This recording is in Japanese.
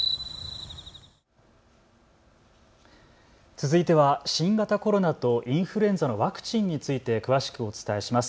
続いては新型コロナとインフルエンザのワクチンについて詳しくお伝えします。